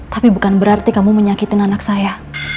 tapi bukan berarti kamu menyakitin anak saya